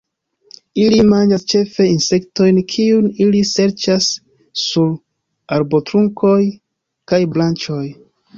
Ili manĝas ĉefe insektojn kiujn ili serĉas sur arbotrunkoj kaj branĉoj.